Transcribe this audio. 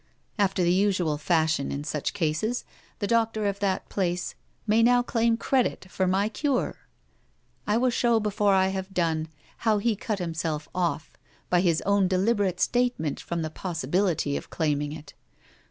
After the usual fashion in such cases, the doctor of that place may now claim credit for my 'cure.' I will show, before I have done, how he cut himself off, by his own deliberate statement, from the possibility of claiming it.